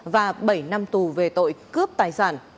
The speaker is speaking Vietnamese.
và bảy năm tù về tội cướp tài sản